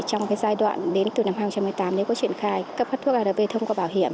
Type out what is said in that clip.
trong giai đoạn đến từ năm hai nghìn một mươi tám nếu có triển khai cấp phát thuốc arv thông qua bảo hiểm